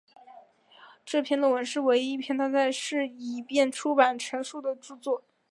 这篇论文是唯一一篇他在世时便已出版成书的着作。